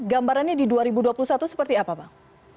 gambarannya di dua ribu dua puluh satu seperti apa bang